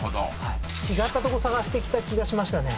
違ったとこ探してきた気がしましたね